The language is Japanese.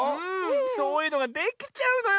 そういうのができちゃうのよ